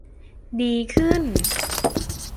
ดีขึ้น